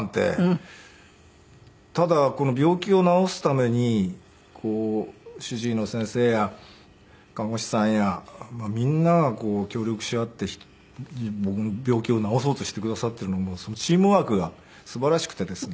ただこの病気を治すために主治医の先生や看護師さんやみんなが協力し合って僕の病気を治そうとしてくださっているのそのチームワークがすばらしくてですね。